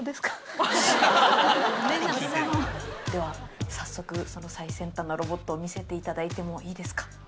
では早速その最先端のロボットを見せていただいてもいいですか？